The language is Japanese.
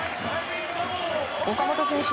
岡本選手